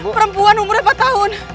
perempuan umurnya empat tahun